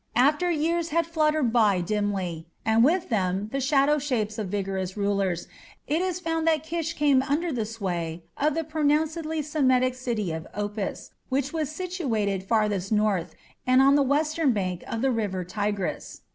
After years have fluttered past dimly, and with them the shadow shapes of vigorous rulers, it is found that Kish came under the sway of the pronouncedly Semitic city of Opis, which was situated "farthest north" and on the western bank of the river Tigris.